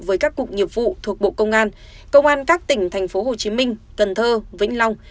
với các cục nghiệp vụ thuộc bộ công an công an các tỉnh thành phố hồ chí minh cần thơ vĩnh long